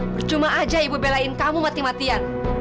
percuma aja ibu belain kamu mati matian